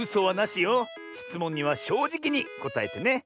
しつもんにはしょうじきにこたえてね。